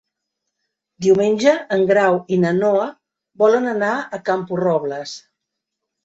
Diumenge en Grau i na Noa volen anar a Camporrobles.